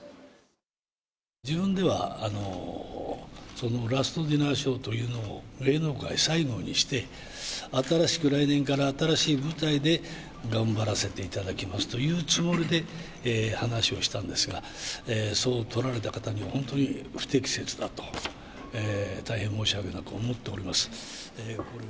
自分では、ラストディナーショーというのを、芸能界最後にして、新しく来年から、新しい舞台で頑張らせていただきますというつもりで話をしたんですが、そう取られた方には、本当に不適切だと、大変申し訳なく思っております。